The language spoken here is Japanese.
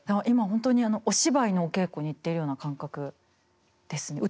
今本当にお芝居のお稽古に行ってるような感覚です。